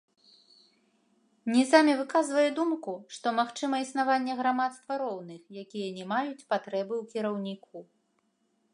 Нізамі выказвае думку, што магчыма існаванне грамадства роўных, якія не маюць патрэбы ў кіраўніку.